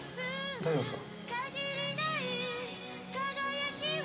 大丈夫っすか？